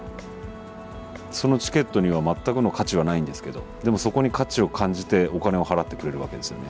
そのチケットには全くの価値はないんですけどでもそこに価値を感じてお金を払ってくれるわけですよね。